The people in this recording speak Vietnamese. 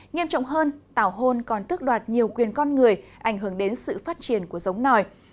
nghiêm trọng hơn tảo hôn còn tước đoạt nhiều quyền con người ảnh hưởng đến sự phát triển của giống nòi